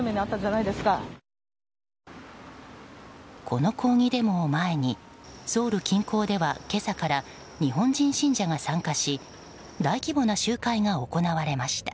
この抗議デモを前にソウル近郊では今朝から日本人信者が参加し大規模な集会が行われました。